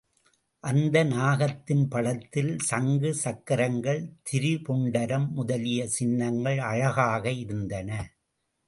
அந்த நாகத்தின் படத்தில் சங்கு சக்கரங்கள் திரிபுண்டரம் முதலிய சின்னங்கள் அழகாக இருந்தன.